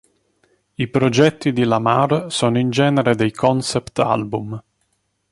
I progetti di Lamar sono in genere dei concept album.